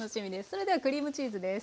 それではクリームチーズです。